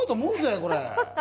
これ。